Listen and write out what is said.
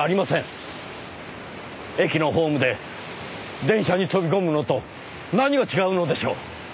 駅のホームで電車に飛び込むのと何が違うのでしょう？